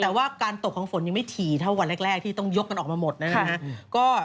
แต่ว่าการตกของฝนยังไม่ถี่เท่าวันแรกที่ต้องยกกันออกมาหมดนะครับ